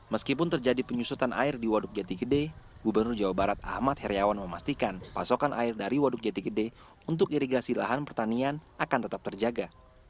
meskipun terjadi penyusutan air di waduk jati gede gubernur jawa barat ahmad heriawan memastikan pasokan air dari waduk jati gede untuk irigasi lahan pertanian akan tetap terjaga